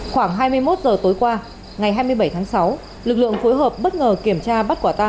khoảng hai mươi một h tối qua ngày hai mươi bảy tháng sáu lực lượng phối hợp bất ngờ kiểm tra bắt quả tang